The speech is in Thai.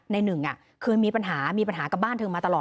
หนึ่งเคยมีปัญหามีปัญหากับบ้านเธอมาตลอด